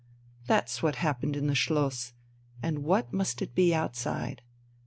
That's what happened in the Schloss, and what must it be outside?